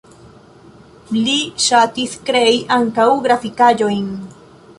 Li ŝatis krei ankaŭ grafikaĵojn.